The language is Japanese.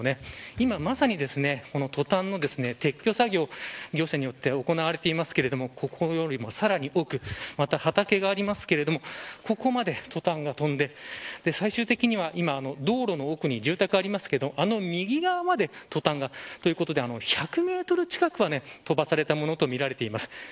今、まさにこのトタンの撤去作業行政によって行われていますがここよりもさらに奥畑がありますがここまでトタンが飛んで最終的には今、道路の奥に住宅がありますけどあの右側までトタンがということで１００メートル近くは飛ばされたものとみられています。